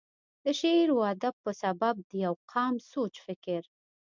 دَ شعر و ادب پۀ سبب دَ يو قام سوچ فکر،